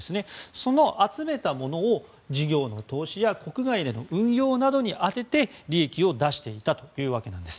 その集めたものを事業の投資や国外での運用などに充てて、利益を出していたというわけなんです。